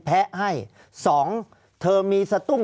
ภารกิจสรรค์ภารกิจสรรค์